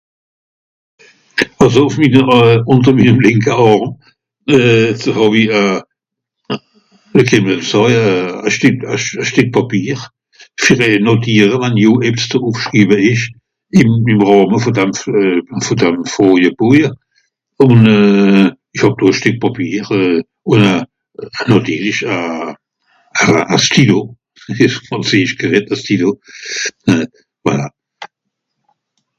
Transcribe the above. Àlso ùf minnere, ùnter minnem linke Àrm euh... so hàw-i e... e (...), e stìck... e sch... e stìck Pàpier. (...) notiere (...) ebbs ze ùfschriiwe ìsch. Ìm... ìm Ràhme vù dam... euh... vù dam (...). Ùn euh... Ìch hàb do e Stìck Pàpier... euh... ù a... nàtirlich a ... a Stylo. Dìs ìsch frànzeesch geredt, a Stylo. Hein... voilà.